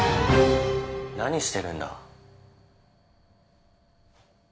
何してるんだ？